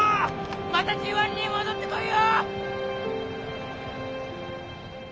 またＧⅠに戻ってこいよ！